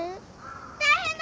・大変だ！